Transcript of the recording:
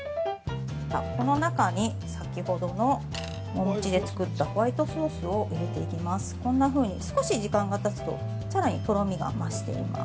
◆この中に、先ほどのお餅で作ったホワイトソースを入れていきます。